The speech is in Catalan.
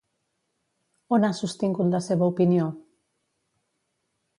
On ha sostingut la seva opinió?